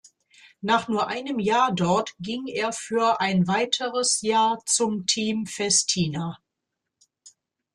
Nach nur einem Jahr dort ging er für ein weiteres Jahr zum Team Festina.